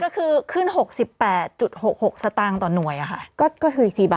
ก็คือขึ้นหกสิบแปดจุดหกหกสตางค์ตอนหน่วยอ่ะค่ะก็ก็คืออีกสี่บาท